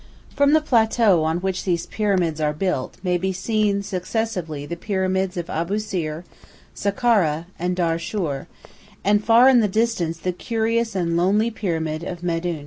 From the plateau on which these pyramids are built may be seen successively the pyramids of Abousīr, Sakkara, and Darshūr, and far in the distance the curious and lonely pyramid of Medūn.